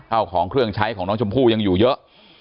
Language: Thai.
เอาของเครื่องใช้ของน้องชมพู่ยังอยู่เยอะ